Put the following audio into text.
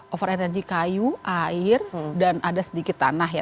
over energy kayu air dan ada sedikit tanah ya